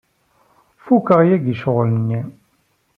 Fukeɣ yagi ccɣel-inu.